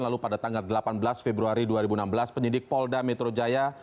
lalu pada tanggal delapan belas februari dua ribu enam belas penyidik polda metro jaya